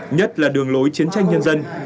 nhất là đường lối chiến tranh nhân dân